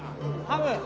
ハム。